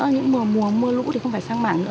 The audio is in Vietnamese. những mùa lũ thì không phải sang mảng nữa